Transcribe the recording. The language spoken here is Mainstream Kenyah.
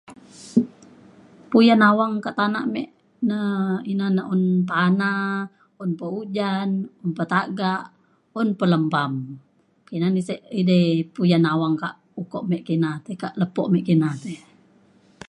puyan awang ka tanak me na ina na un pana un pa ujan un pa tagak un pa lembam ina na sek edei puyan awang ka ukok me kina tei ka lepo me kina tei